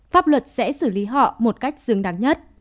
pháp luật sẽ xử lý họ một cách dừng đáng nhất